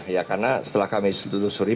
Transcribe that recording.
ya karena setelah kami telusuri